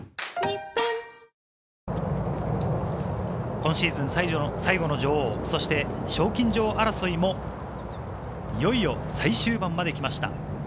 今シーズン最後の女王、そして賞金女王争いも、いよいよ最終盤まで来ました。